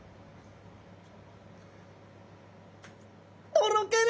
とろける！